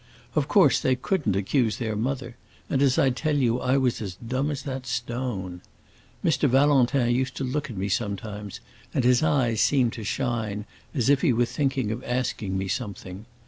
Of course they couldn't accuse their mother, and, as I tell you, I was as dumb as that stone. Mr. Valentin used to look at me sometimes, and his eyes seemed to shine, as if he were thinking of asking me something.